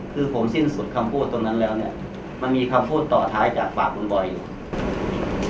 คือผมสิ้นสุดคำพูดตรงนั้นแล้วเนี่ยมันมีคำพูดต่อท้ายจากปากคุณบอยอยู่